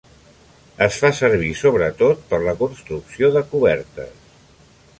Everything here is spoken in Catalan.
Es fa servir sobretot per la construcció de cobertes.